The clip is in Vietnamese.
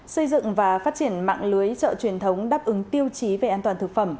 xây dựng và phát triển mạng lưới chợ truyền thống đáp ứng tiêu chí về an toàn thực phẩm